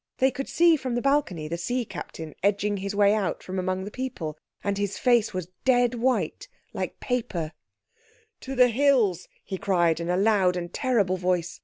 They could see from the balcony the sea captain edging his way out from among the people. And his face was dead white, like paper. "To the hills!" he cried in a loud and terrible voice.